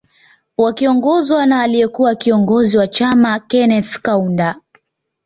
Wakiongozwa na aliye kuwa kiongozi wa chama Keneth Kaunda